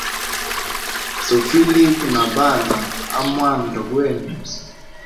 Tofilibwa na bana amwanda gwenu.